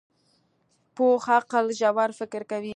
پوخ عقل ژور فکر کوي